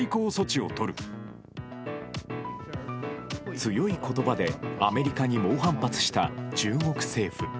強い言葉でアメリカに猛反発した中国政府。